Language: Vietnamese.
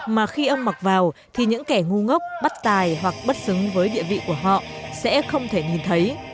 mà khi ông mặc vào thì những kẻ ngu ngốc bắt tài hoặc bất xứng với địa vị của họ sẽ không thể nhìn thấy